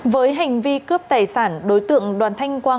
với hành vi cướp tài sản đối tượng đoàn tham gia đối tượng